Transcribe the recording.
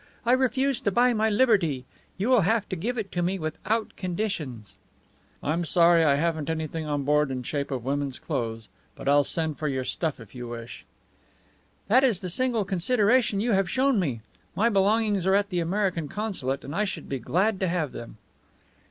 I refuse to buy my liberty; you will have to give it to me without conditions." "I'm sorry I haven't anything on board in shape of women's clothes, but I'll send for your stuff if you wish." "That is the single consideration you have shown me. My belongings are at the American consulate, and I should be glad to have them."